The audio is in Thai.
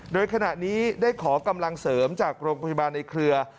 โดยขณะนี้ได้ขอกำลังเสริมจากโรงพยาบาลในเครือ